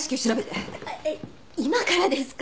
えっ今からですか？